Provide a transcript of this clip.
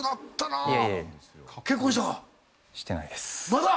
まだ？